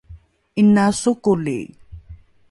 ’inai sokoli